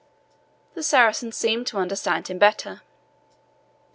The Saracen seemed to understand him better.